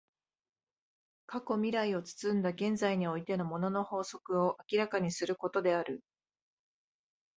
過去未来を包んだ現在においての物の法則を明らかにすることである。